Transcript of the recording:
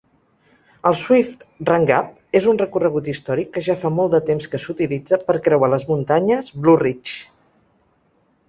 El Swift Run Gap és un recorregut històric que ja fa molt de temps que s'utilitza per creuar les muntanyes Blue Ridge.